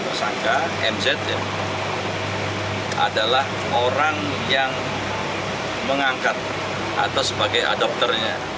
tersangka mz adalah orang yang mengangkat atau sebagai adopternya